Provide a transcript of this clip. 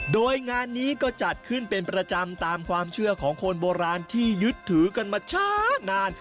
โดยงานนี้ก็จัดขึ้นเป็นประจำตามความเชื่อของคนโบราณที่ยึดถือกันมาช้านาน